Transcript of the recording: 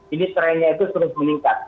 ini trennya itu terus meningkat